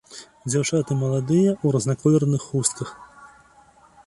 Дзяўчаты маладыя, у разнаколерных хустках.